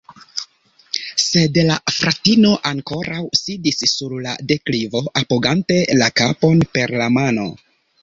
Sed la fratino ankoraŭ sidis sur la deklivo, apogante la kapon per la mano.